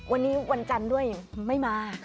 วันนี้วันจันทร์ด้วยไม่มา